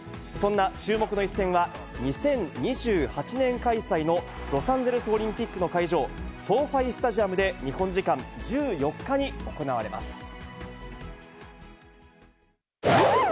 そんな注目の一戦は、２０２８年開催のロサンゼルスオリンピックの会場、ソーファイスタジアムで日本時間１４日に行われます。